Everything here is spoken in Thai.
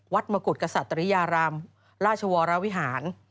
มกุฎกษัตริยารามราชวรวิหาร